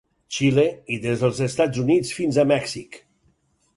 Xile i des dels Estats Units fins a Mèxic.